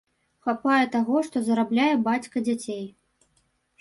Хапае таго, што зарабляе бацька дзяцей.